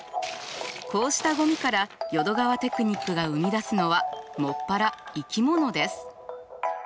こうしたゴミから淀川テクニックが生み出すのは専ら生き物です。